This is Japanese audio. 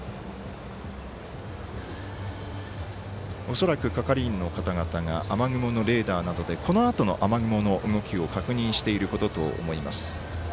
恐らく係員の方が雨雲のレーダーなどでこのあとの雨雲の動きを確認していることと思います。